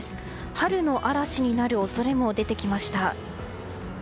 春の嵐になる恐れも出てきました。